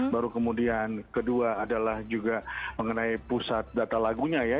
baru kemudian kedua adalah juga mengenai pusat data lagunya ya